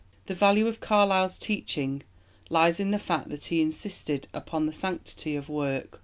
The value of Carlyle's teaching lies in the fact that he insisted upon the sanctity of work.